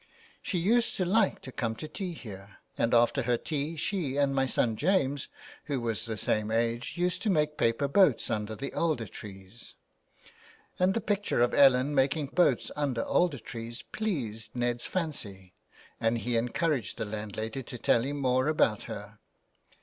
She used to like to come to tea here, and after her tea she and my son James, who was the same age, used to make paper boats under the alder trees," And the picture of Ellen making boats under alder trees pleased Ned's fancy, and he encouraged the landlady to tell him more about her.